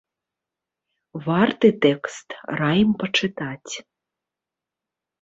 Варты тэкст, раім пачытаць.